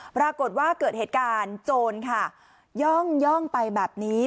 ปรากฏว่าเกิดเหตุการณ์โจรค่ะย่องไปแบบนี้